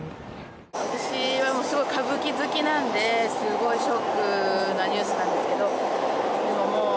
私はもう歌舞伎好きなんで、すごいショックなニュースなんですけど、でももう、